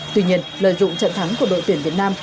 tuy nhiên lợi dụng trận thắng của đội tuyển việt nam